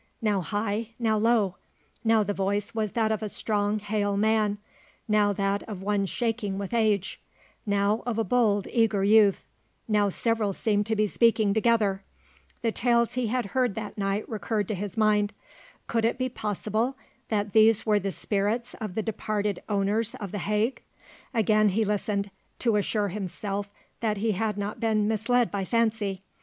Now high, now low; now the voice was that of a strong, hale man; now that of one shaking with age; now of a bold, eager youth; now several seemed to be speaking together. The tales he had heard that night recurred to his mind. Could it be possible that these were the spirits of the departed owners of the Hagg? Again he listened, to assure himself that he had not been misled by fancy.